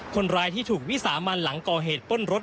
คนร้ายที่ถูกวิสามันหลังก่อเหตุป้นรถ